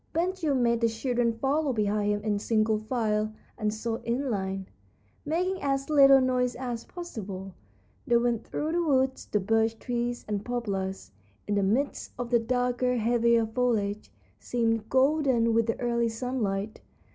Ben Gile made the children follow behind him in single file, and so in line, making as little noise as possible, they went through the woods. The birch trees and poplars, in the midst of the darker, heavier foliage, seemed golden with the early sunlight.